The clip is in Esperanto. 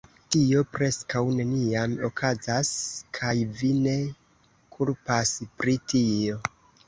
"Tio preskaŭ neniam okazas, kaj vi ne kulpas pri tio."